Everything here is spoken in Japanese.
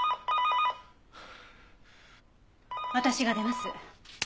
私が出ます。